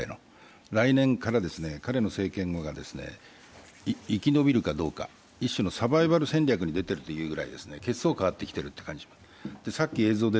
来年から彼の政権が生き延びるかどうか、一種のサバイバル戦略に出てきたというぐらい血相が変わってきている。